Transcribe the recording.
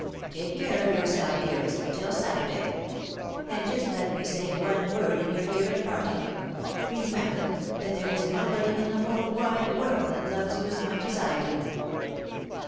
Take care of yourself, dearest, till Satur day ; and just let me say one word in your ear at parting. Re member, that there is nobody in the whole wide world that loves you as much as I do."